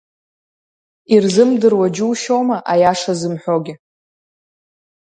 Ирзымдыруа џьушьома аиаша зымҳәогьы.